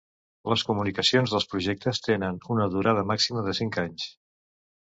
Les comunicacions dels projectes tenen una durada màxima de cinc anys.